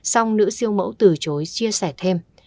xong nữ siêu mẫu từ chối chia sẻ thêm